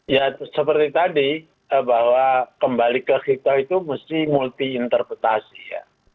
ya seperti tadi bahwa kembali ke hitoh itu mesti multi interpretasi ya